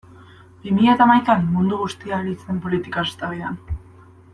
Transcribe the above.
Bi mila eta hamaikan mundu guztia ari zen politikaz eztabaidan.